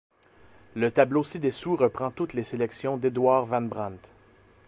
Le tableau ci-dessous reprend toutes les sélections d'Edouard Van Brandt.